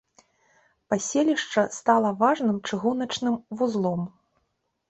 Паселішча стала важным чыгуначным вузлом.